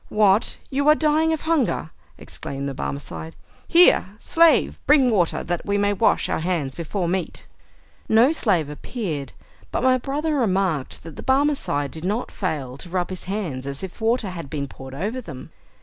"What, you are dying of hunger?" exclaimed the Barmecide. "Here, slave; bring water, that we may wash our hands before meat!" No slave appeared, but my brother remarked that the Barmecide did not fail to rub his hands as if the water had been poured over them.